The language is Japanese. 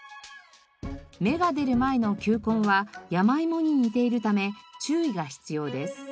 芽が出る前の球根はヤマイモに似ているため注意が必要です。